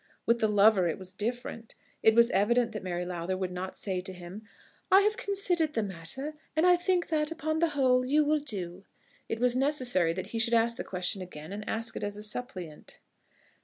With the lover it was different. It was evident that Mary Lowther would not say to him, "I have considered the matter, and I think that, upon the whole, you will do." It was necessary that he should ask the question again, and ask it as a suppliant.